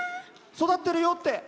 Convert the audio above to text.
育ってるよって。